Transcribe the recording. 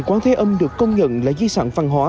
quán thế âm được công nhận là di sản văn hóa